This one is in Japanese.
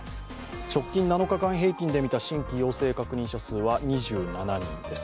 直近７日間平均で見た新規陽性確認者数は２７人です。